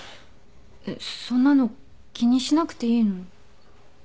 えっそんなの気にしなくていいのに。